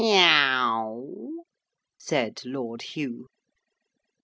'Meaow,' said Lord Hugh.